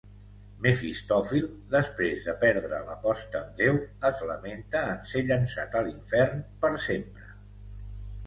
Mefistòfil, després de perdre l'aposta amb Déu, es lamenta en ser llançat a l'infern per sempre.